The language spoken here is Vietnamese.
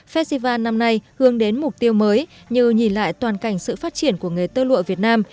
festival năm nay hướng đến mục tiêu mới như nhìn lại toàn cảnh sự phát triển của nghề tơ lụa việt nam